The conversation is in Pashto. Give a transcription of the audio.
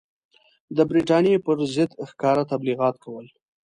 د برټانیې پر ضد ښکاره تبلیغات کول.